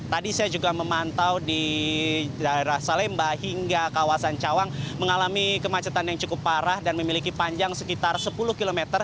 tadi saya juga memantau di daerah salemba hingga kawasan cawang mengalami kemacetan yang cukup parah dan memiliki panjang sekitar sepuluh km